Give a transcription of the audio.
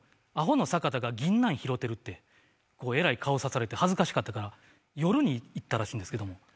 アホの坂田がぎんなん拾てるってえらい顔さされて恥ずかしかったから夜に行ったらしいんですけども。